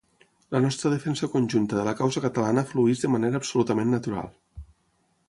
La nostra defensa conjunta de la causa catalana flueix de manera absolutament natural.